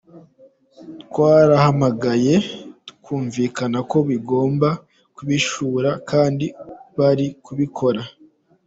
Twarabahamagaye, twumvikana ko bagomba kubishyura kandi bari kubikora.